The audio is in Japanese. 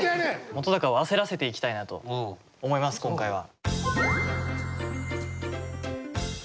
本を焦らせていきたいなと思います今回は。